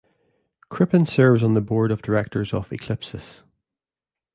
Crippen serves on the board of directors of Eclipsys.